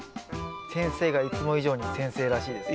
先生がいつも以上に先生らしいです。